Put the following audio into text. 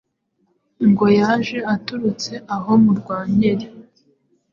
ngo yaje aturuka aho mu Rwankeri.